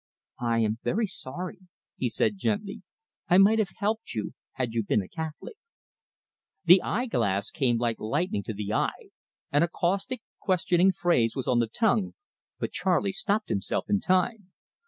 "I am very sorry," he said gently. "I might have helped you had you been a Catholic." The eye glass came like lightning to the eye, and a caustic, questioning phrase was on the tongue, but Charley stopped himself in time.